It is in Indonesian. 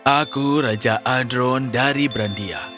aku raja adron dari berandia